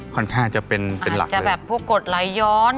ค่อนข้างจะเป็นหลักเลยอาจจะแบบพวกกดหลายย้อน